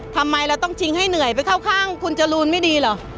ทำไมเราต้องชิงให้เหนื่อยไปเข้าข้างคุณจรูนไม่ดีเหรอ